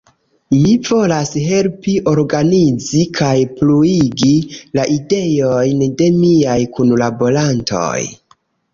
Mi volas helpi organizi kaj pluigi la ideojn de miaj kunlaborantoj.